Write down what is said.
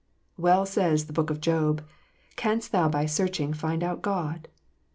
Well says the Book of Job, "Canst thou by searching find out God?